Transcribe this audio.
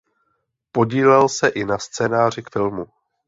Podílel se i na scénáři k filmu.